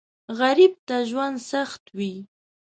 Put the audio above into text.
غریب ته ژوند سخت وي